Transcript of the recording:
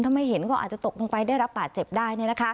ถ้าไม่เห็นก็อาจจะตกลงไปได้รับบาดเจ็บได้